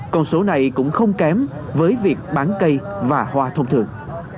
con số này cũng không kém với việc bán cây và hoa thông thường